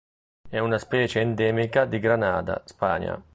È una specie endemica di Granada, Spagna.